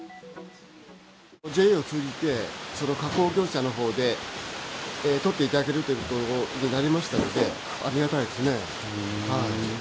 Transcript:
ＪＡを通じて、加工業者のほうで取っていただけるということになりましたので、ありがたいですね。